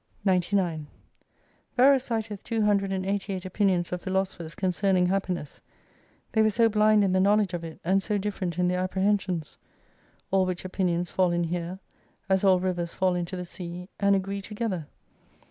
99 Varro citeth 288 opinions of philosophers concerning happiness : they were so blind in the knowledge of it, and so different in their apprehensions. All which opinions fall in here, as all rivers fall into the sea, and agree together.